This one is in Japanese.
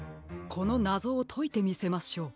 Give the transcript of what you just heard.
このなぞをといてみせましょう。